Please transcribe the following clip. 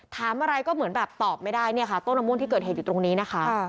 ถามอะไรก็เหมือนแบบตอบไม่ได้เนี่ยค่ะต้นมะม่วงที่เกิดเหตุอยู่ตรงนี้นะคะ